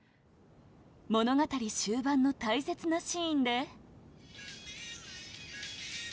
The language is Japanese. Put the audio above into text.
物語終盤の大切なシーンで